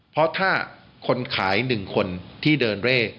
เพราะถ้าคนขาย๑คนที่เดินเร่